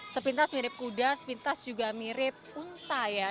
sepintas mirip kuda sepintas juga mirip unta ya